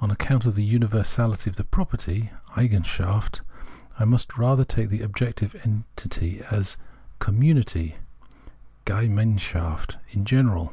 On account of the universality of the property {Eigenschaft) I must rather take the objective entity as a commu7iity {Gemeinschaft) in general.